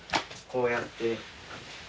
こうやって。